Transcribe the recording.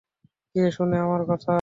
কে শোনে আমার কথা?